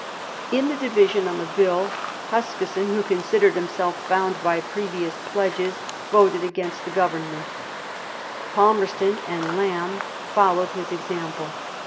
In the division on the Bill, Huskis son, who considered himself bound by previous pledges, voted against the Government ; Palmerston and Lamb followed his example.